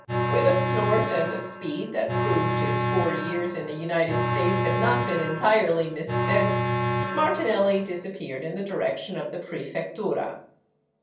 With a snort, and a speed that proved his four years in the United States had not been entirely misspent, Martinelli disappeared in the direction of the prefec tura.